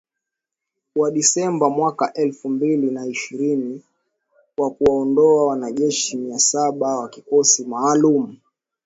Wa Disemba mwaka elfu mbili na ishirini wa kuwaondoa wanajeshi mia saba wa kikosi maalum.